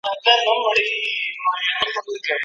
لس کلونه یې تر مرګه بندیوان وو